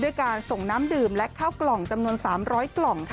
การส่งน้ำดื่มและข้าวกล่องจำนวน๓๐๐กล่อง